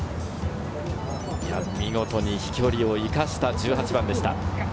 見事に飛距離を生かした１８番でした。